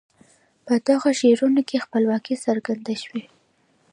په دغو شعرونو کې خپلواکي څرګند شوي.